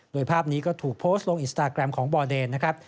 โดยภาพนี้ก็ถูกโพสต์ลงอินสตาแกรมของบอเดนนะครับ